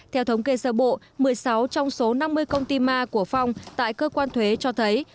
theo thống kê sơ bộ một mươi sáu trong số năm mươi công ty ma của phong tại cơ quan thuế cho thấy